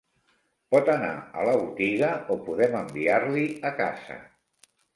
Pot anar a la botiga o podem enviar-li a casa.